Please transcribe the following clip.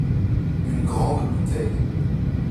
Une grande bouteille.